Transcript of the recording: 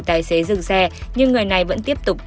tài xế dừng xe nhưng người này vẫn tiếp tục